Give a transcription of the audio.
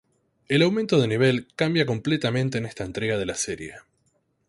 El Aumento de nivel cambia completamente en esta entrega de la serie.